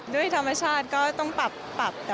ด้วยธรรมชาติก็ต้องปรับแต่ว่าก็เอาไหวอยู่ค่ะ